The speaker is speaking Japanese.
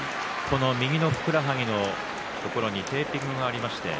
右のふくらはぎのところにテーピングがあります。